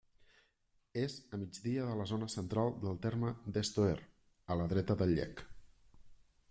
És a migdia de la zona central del terme d'Estoer, a la dreta del Llec.